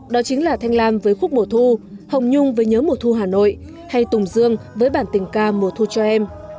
đó chính là thanh lam với khúc mùa thu hồng nhung với nhớ mùa thu hà nội hay tùng dương với bản tình ca mùa thu cho em